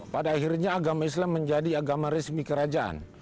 pada akhirnya agama islam menjadi agama resmi kerajaan